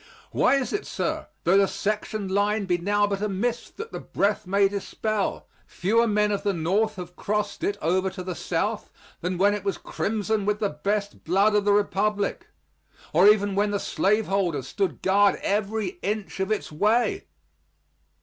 Why is it, sir, though the section line be now but a mist that the breath may dispel, fewer men of the North have crossed it over to the South, than when it was crimson with the best blood of the Republic, or even when the slaveholder stood guard every inch of its way?